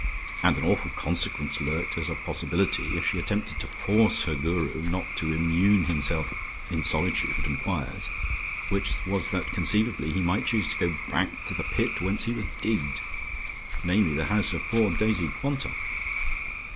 And an awful consequence lurked as a possibility if she attempted to force her Guru not to immune himself in solitude and quiet, which was that conceivably he might choose to go back to the pit whence he was digged, namely the house of poor Daisy Quantock.